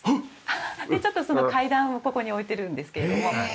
でちょっとその階段をここに置いてるんですけれども。へえ！